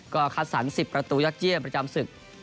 ก็คัดสรร๑๐ประตูยอดเยี่ยมประจำศึก